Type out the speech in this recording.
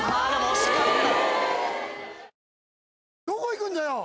惜しかった！